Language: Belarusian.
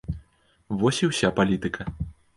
Вось і ўся палітыка.